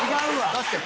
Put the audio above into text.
確かに。